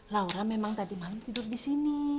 laura memang tadi malam tidur di sini